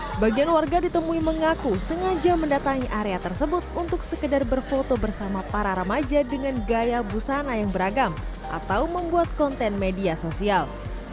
sebagian warga ditemui mengaku sengaja mendatangi area tersebut untuk sekedar berfoto bersama para remaja dengan gaya busana yang beragam atau membuat konten media sosial